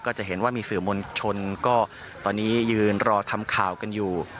จะเห็นว่ามีสื่อมวลชนก็ตอนนี้ยืนรอทำข่าวกันอยู่